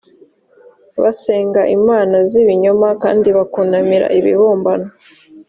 basengaga imana z’ibinyoma kandi bakunamira ibibumbano